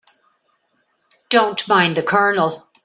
Don't mind the Colonel.